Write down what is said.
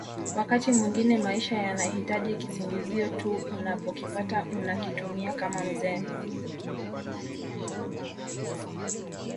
Wakati mwingine maisha yanahitaji kisingizio tu unapokipata unakitumia kama mzee